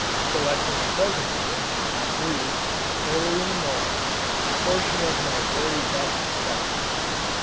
Selecting a pleasant day, I moved, early in the morning, a portion of my very best stocks.